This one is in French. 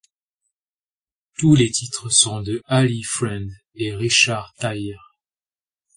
Tous les titres sont de Ali Friend et Richard Thair.